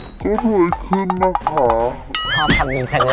ชอบคำนี้แสงอะไรอะ